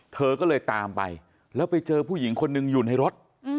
เธอก็เลยตามไปแล้วไปเจอผู้หญิงคนหนึ่งอยู่ในรถ